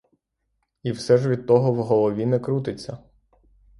І все ж від того в голові не крутиться.